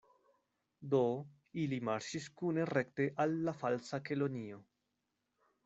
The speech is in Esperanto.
Do, ili marŝis kune rekte al la Falsa Kelonio.